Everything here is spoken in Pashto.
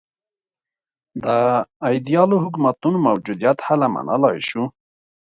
د ایدیالو حکومتونو موجودیت هله منلای شو.